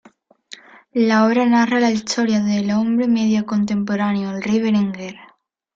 La obra narra la historia del hombre medio contemporáneo: el Rey Berenguer.